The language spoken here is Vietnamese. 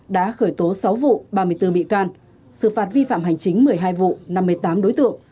đã khởi tố sáu vụ ba mươi bốn bị can xử phạt vi phạm hành chính một mươi hai vụ năm mươi tám đối tượng